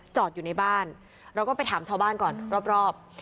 อยู่ในบ้านเราก็ไปถามชาวบ้านก่อนรอบ